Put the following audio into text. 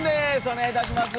お願いいたします。